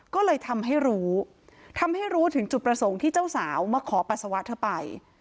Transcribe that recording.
ก็เลยทำให้รู้ทำให้รู้ถึงจุดประสงค์ที่เจ้าสาวมาขอปัสสาวะเธอไป